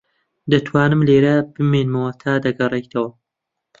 دەتوانم لێرە بمێنمەوە تا دەگەڕێیتەوە.